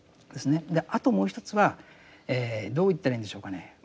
あともう一つはどう言ったらいいんでしょうかね。